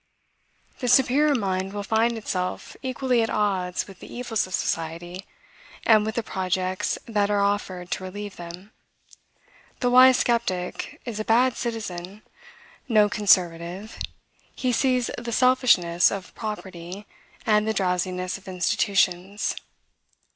The superior mind will find itself equally at odds with the evils of society, and with the projects that are offered to relieve them. The wise skeptic is a bad citizen; no conservative; he sees the selfishness of property, and the drowsiness of institutions.